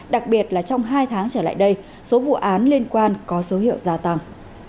đặc biệt là trong hai tháng trở lại đây số vụ án liên quan có dấu hiệu gia tăng